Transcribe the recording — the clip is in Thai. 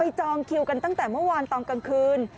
จองคิวกันตั้งแต่เมื่อวานตอนกลางคืน